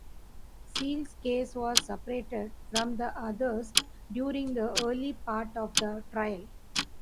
Seale's case was separated from the others during the early part of the trial.